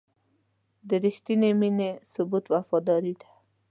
د رښتینې مینې ثبوت وفاداري ده.